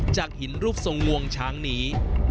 หินรูปทรงงวงช้างนี้